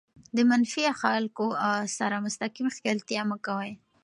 د منفي خلکو سره مستقیم ښکېلتیا مه کوئ.